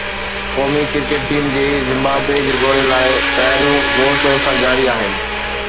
قومي cricket team جي Zimbabwe جي دوري لاءِ تياريون زور شور سان جاري آهن